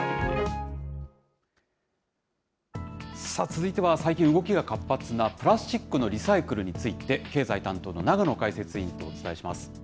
続いては、最近動きが活発なプラスチックのリサイクルについて、経済担当の永野解説委員とお伝えします。